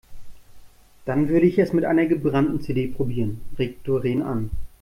Dann würde ich es mit einer gebrannten CD probieren, regt Doreen an.